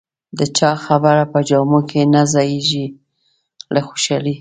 د چا خبره په جامو کې نه ځایېږم له خوشالۍ.